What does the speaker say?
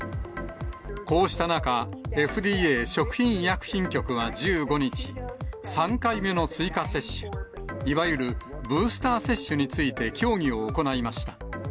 こうした中、ＦＤＡ・食品医薬品局は１５日、３回目の追加接種、いわゆるブースター接種について協議を行いました。